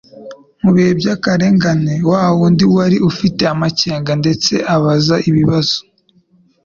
Mu bihe by’akarengane, wa wundi wari ufite amakenga ndetse abaza ibibazo,